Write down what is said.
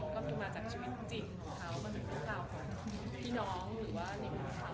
ก็มาจากชีวิตจริงของเขาเป็นแต่ลูกคราวของพี่น้องหรือว่านิดนึงของเขา